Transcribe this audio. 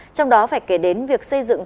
trong đó phải kể đến việc xây dựng